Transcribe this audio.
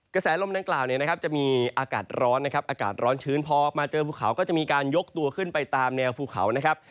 กระแสลมดังกล่าวเนี่ยนะครับจะมีอากาศร้อนนะครับอากาศร้อนชื้นพอมาเจอภูเขาก็จะมีการยกตัวขึ้นไปตามแนวภูเขานะครับ